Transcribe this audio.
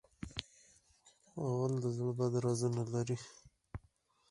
غول د زاړه بدن رازونه لري.